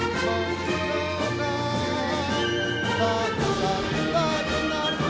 pemenangan peleg dan pilpres dua ribu dua puluh empat